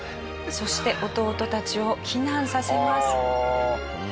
そして弟たちを避難させます。